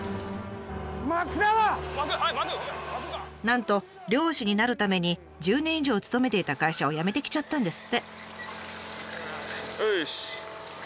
なんと漁師になるために１０年以上勤めていた会社を辞めてきちゃったんですって。